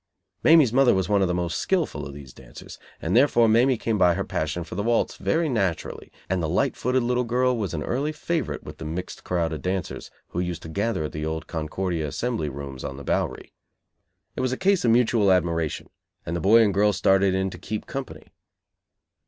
Mamie's mother was one of the most skillful of these dancers, and therefore Mamie came by her passion for the waltz very naturally; and the light footed little girl was an early favorite with the mixed crowd of dancers who used to gather at the old Concordia Assembly Rooms, on the Bowery. It was at this place that Johnny and Mamie met for the first time. It was a case of mutual admiration, and the boy and girl started in to "keep company."